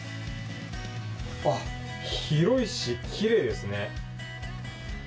あっ、広いし、きれいですね。